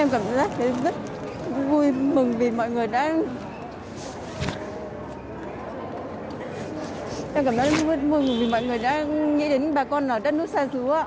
em cảm giác rất vui mừng vì mọi người đã nghĩ đến bà con ở đất nước xa xứ